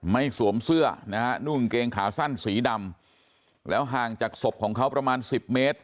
สวมเสื้อนะฮะนุ่งกางเกงขาสั้นสีดำแล้วห่างจากศพของเขาประมาณสิบเมตร